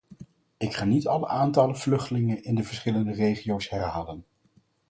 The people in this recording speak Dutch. Ik ga niet alle aantallen vluchtelingen in de verschillende regio's herhalen.